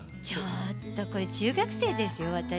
ちょっとこれ中学生ですよ私。